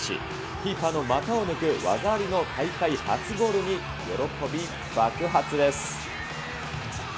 キーパーの股を抜く技ありの大会初ゴールに喜び爆発です。